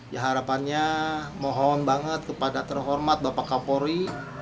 ya harapannya mohon banget kepada terhormat bapak kapolri